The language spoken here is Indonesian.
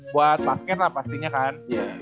buat basket lah pastinya kan